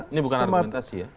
ini bukan argumentasi ya